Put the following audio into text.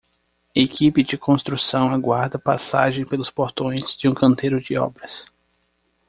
Equipe de construção aguarda passagem pelos portões de um canteiro de obras.